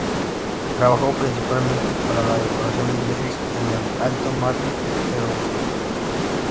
Trabajó principalmente para la decoración de iglesias en el Alto Marne y Aube.